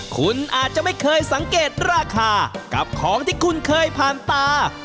คุณอาจจะไม่เคยสังเกตราคากับของที่คุณเคยผ่านตา